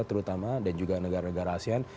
terutama dan juga negara negara asean